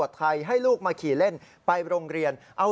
นี่คือมาสี่ผมแล้วนะครับ